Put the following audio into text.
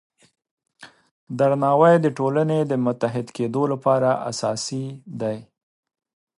درناوی د ټولنې د متحد کیدو لپاره اساسي دی.